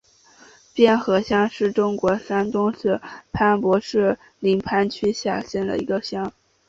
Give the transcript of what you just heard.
边河乡是中国山东省淄博市临淄区下辖的一个乡。